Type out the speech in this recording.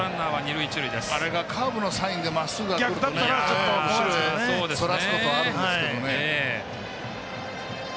あれがカーブのサインでまっすぐだったら後ろへそらすことはあるんですけどね。